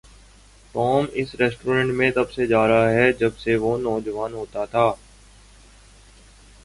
Tom اس restaurant میں تب سے جا رہا ہے جب سے وہ نوجوان ہوتا تھا۔